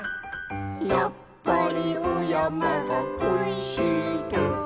「やっぱりおやまがこいしいと」